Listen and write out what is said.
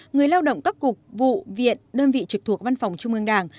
người lao động các cục vụ viện đơn vị trực thuộc văn phòng trung ương đảng